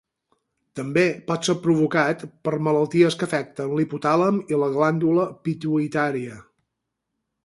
També pot ser provocat per malalties que afecten l'hipotàlem i la glàndula pituïtària.